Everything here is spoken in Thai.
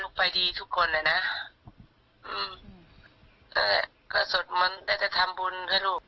ก็สดม้อนได้จะทำบุญให้ลูก